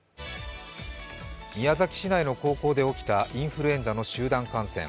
宮崎市内の高校で起きたインフルエンザの集団感染。